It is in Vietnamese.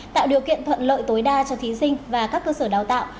tạo điều kiện thuận lợi tối đa cho thí sinh và các cơ sở đào tạo